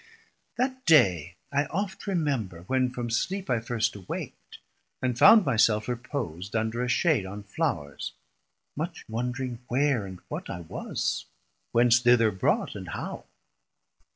That day I oft remember, when from sleep I first awak't, and found my self repos'd 450 Under a shade on flours, much wondring where And what I was, whence thither brought, and how.